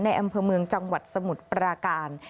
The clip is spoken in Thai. อำเภอเมืองจังหวัดสมุทรปราการ